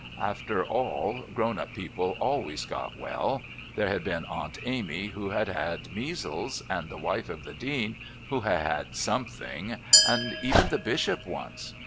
After all, grown up people always got well. There had been Aunt Amy, who had had measles, and the wife of the Dean, who had had something, and even the Bishop once...